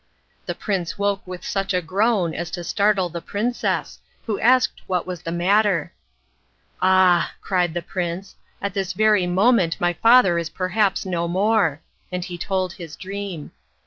The prince woke with such a groan as to startle the princess, who asked what was the matter. "Ah!" cried the prince, "at this very moment my father is perhaps no more!" and he told his dream.